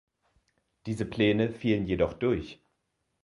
Diese Pläne fielen jedoch durch.